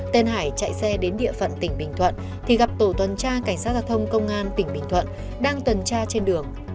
tên hải chạy xe đến địa phận tỉnh bình thuận thì gặp tổ tuần tra cảnh sát giao thông công an tỉnh bình thuận đang tuần tra trên đường